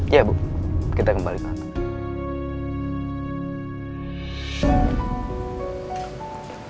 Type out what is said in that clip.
iya bu kita kembali kantor